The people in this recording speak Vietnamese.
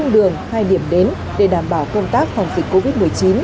điểm đến để đảm bảo công tác phòng dịch covid một mươi chín